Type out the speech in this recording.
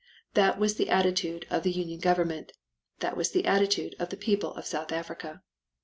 That was the attitude of the Union Government; that was the attitude of the people of South Africa.